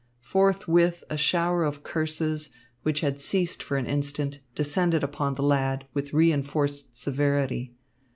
Forthwith a shower of curses, which had ceased for an instant, descended upon the lad, with reinforced severity.